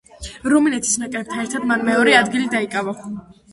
რუმინეთის ნაკრებთან ერთად მან მეორე ადგილი დაიკავა.